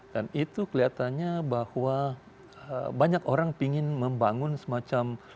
dan itu kelihatannya bahwa banyak orang ingin membangun semacam